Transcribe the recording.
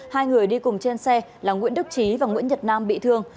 hai người đi cùng trên xe là nguyễn đức trí và nguyễn nhật nam bị thương